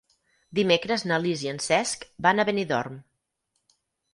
Dimecres na Lis i en Cesc van a Benidorm.